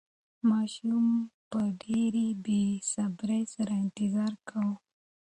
ماشوم په ډېرې بې صبرۍ سره انتظار کاوه.